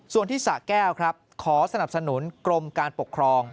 ส่วนที่สะแก้วครับขอสนับสนุนกรมการปกครอง